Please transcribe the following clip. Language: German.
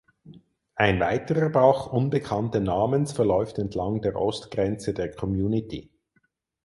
Ein weiterer Bach unbekannten Namens verläuft entlang der Ostgrenze der Community.